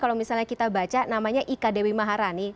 kalau misalnya kita baca namanya ika dewi maharani